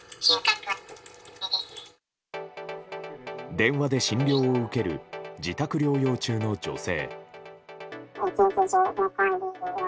電話で診療を受ける自宅療養中の女性。